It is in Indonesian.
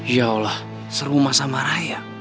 ya allah seru mah sama raya